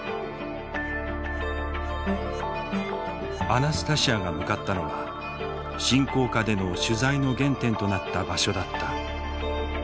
アナスタシヤが向かったのは侵攻下での取材の原点となった場所だった。